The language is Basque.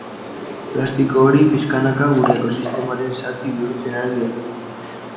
Plastiko hori pixkanaka gure ekosistemaren zati bihurtzen ari da.